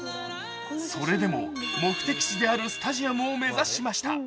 それでも目的地であるスタジアムを目指しました。